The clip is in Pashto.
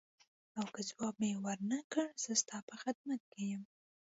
او که ځواب مې ورنه کړ زه ستا په خدمت کې یم.